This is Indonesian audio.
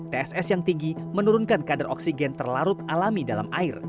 tss yang tinggi menurunkan kadar oksigen terlarut alami dalam air